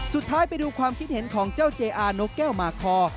สุดท้ายไปดูความคิดเห็นของเจ้าเจอานกแก้วมาคอ